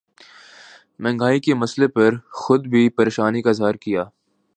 مہنگائی کے مسئلے پر خود بھی پریشانی کا اظہار کیا